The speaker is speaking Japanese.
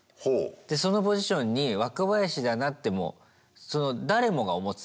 でそのポジションに若林だなってもう誰もが思ってたの。